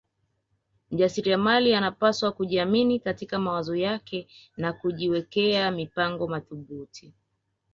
Mjasiliamali anapaswa kujiamini katika mawazo yake na kujiwekea mipango mathubuti